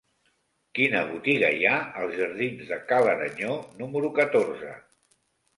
Quina botiga hi ha als jardins de Ca l'Aranyó número catorze?